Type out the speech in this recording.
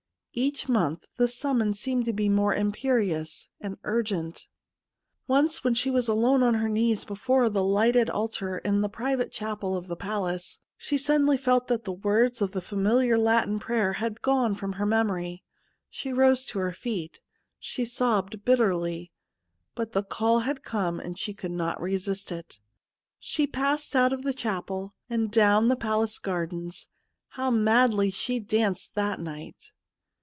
Each month the summons seemed to be more imperious and urgent. Once when she was alone on her knees before the lighted altar in the private chapel of the 53 THE MOON SLAVE palace she suddenly felt that the words of the familiar Latin prayer had gone from her memory. She rose to her feet, she sobbed bitterly, but the call had come and she could not resist it. She passed out ot the chapel and down the palace gardens. How madly she danced that night